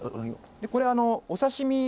これお刺身。